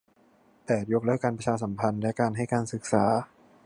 แปด ยกเลิกการประชาสัมพันธ์และการให้การศึกษา